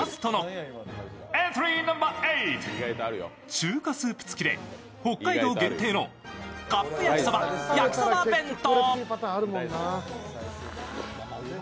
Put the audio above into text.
中華スープ付きで北海道限定のカップやきそば・やきそば弁当。